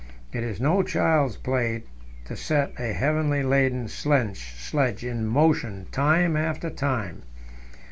It is no child's play to set a heavily laden sledge in motion time after time.